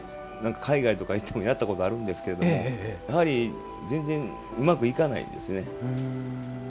海外とか行ってやったこともあるんですけどやはり全然うまくいかないですね。